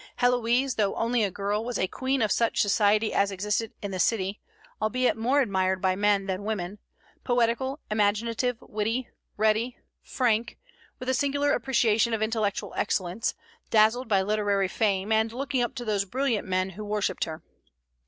Héloïse, though only a girl, was a queen of such society as existed in the city, albeit more admired by men than women, poetical, imaginative, witty, ready, frank, with a singular appreciation of intellectual excellence, dazzled by literary fame, and looking up to those brilliant men who worshipped her.